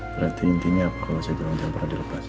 berarti intinya apa kalau saya bilang jangan pernah dilepas